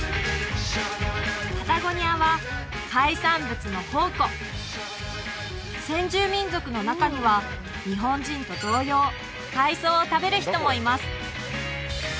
パタゴニアは海産物の宝庫先住民族の中には日本人と同様海藻を食べる人もいます